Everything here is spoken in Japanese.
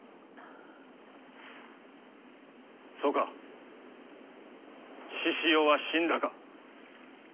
そうか志々雄は死んだか。